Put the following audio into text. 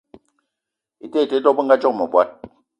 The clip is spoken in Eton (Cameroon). Ete ete te, dò bëngadzoge mëvòd